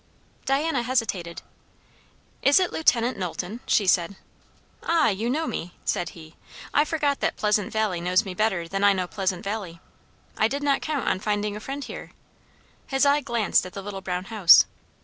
Diana hesitated. "Is it Lieut. Knowlton?" she said. "Ah, you know me?" said he. "I forgot that Pleasant Valley knows me better than I know Pleasant Valley. I did not count on finding a friend here." His eye glanced at the little brown house.